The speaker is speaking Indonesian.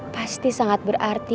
pasti sangat berarti